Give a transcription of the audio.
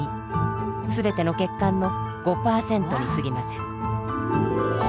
すべての血管の５％にすぎません。